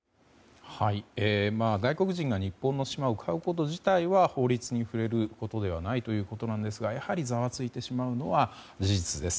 外国人が日本の島を買うこと自体は法律に触れることではないということなんですがやはり、ざわついてしまうのは事実です。